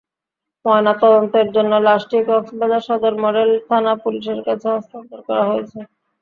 ময়নাতদন্তের জন্য লাশটি কক্সবাজার সদর মডেল থানা-পুলিশের কাছে হস্তান্তর করা হয়েছে।